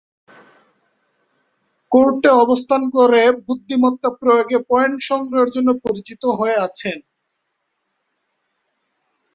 কোর্টে অবস্থান করে বুদ্ধিমত্তা প্রয়োগে পয়েন্ট সংগ্রহের জন্য পরিচিত হয়ে আছেন।